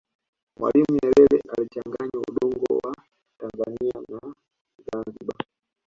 mwalimu nyerere alichanganya udongo wa tanzania na zanzibar